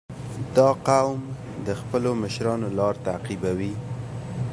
• دا قوم د خپلو مشرانو لار تعقیبوي.